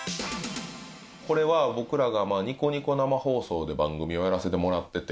これは僕らがニコニコ生放送で番組をやらせてもらってて。